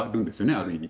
ある意味。